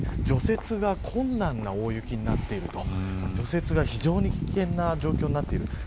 除雪が困難な大雪になっている除雪が非常に危険な状況になっている。